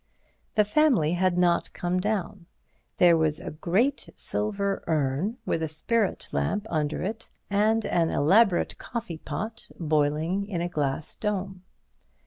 The family had not come down; there was a great silver urn with a spirit lamp under it, and an elaborate coffee pot boiling in a glass dome.